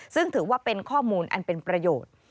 ซึ่งถือว่าเป็นข้อมูลอันเป็นประโยชน์